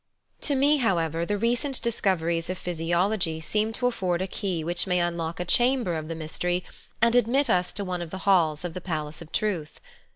To me, however, the recent discoveries of physio logy seem to afford a key which may unlock a chamber of the mystery and admit us to one of the halls of the palace of truth.